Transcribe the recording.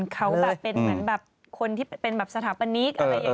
เขาแบบเป็นเหมือนแบบคนที่เป็นแบบสถาปนิกอะไรอย่างนี้